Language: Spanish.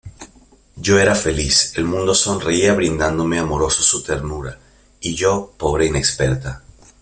Yo era feliz; el mundo sonreía brindándome amoroso su ternura; Y yo, pobre inexperta.